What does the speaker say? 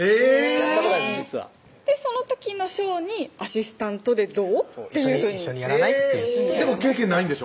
やったことないんです実はでその時のショーに「アシスタントでどう？」っていうふうに「一緒にやらない？」っていうでも経験ないんでしょ？